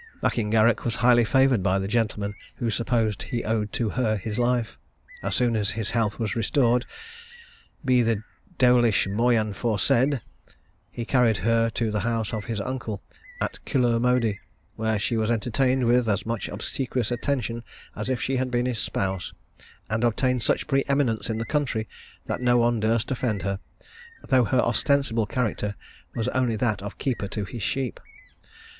M'Ingarrach was highly favoured by the gentleman who supposed he owed to her his life. As soon as his health was restored, 'be the dewilisch moyan foirsaid,' he carried her to the house of his uncle at Kilurmmody, where she was entertained with as much obsequious attention as if she had been his spouse, and obtained such pre eminence in the country that no one durst offend her, though her ostensible character was only that of keeper to his sheep.